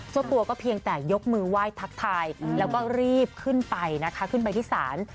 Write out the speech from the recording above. เจ้าตัวก็เพียงแต่ยกมือไหว้ทักทายแล้วก็รีบขึ้นไปนะคะขึ้นไปที่ศาล